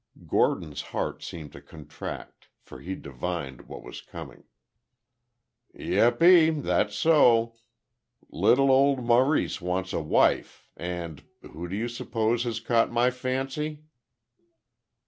Gordon's heart seemed to contract, for he divined what was coming. "Yeppy, that's so. Little Old Maurice wants a wifie—and—who do you suppose has caught my fancy?"